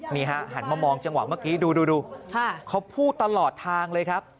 นี่ฮะหันมามองจังหวะเมื่อกี้ดูเขาพูดตลอดทางเลยครับ